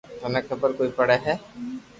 ٿني خبر ڪوئي پڙي